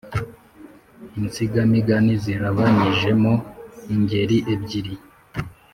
Insigamigani zigabanyijemo ingeri ebyiri